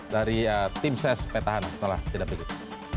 dari tim ses petahan setelah tidak berikut